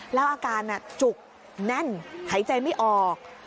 แล้วอาการจุกแน่นหายใจไม่ออก